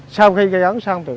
sau chuỗi các sự việc